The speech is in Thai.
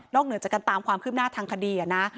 เหนือจากการตามความคืบหน้าทางคดีนะ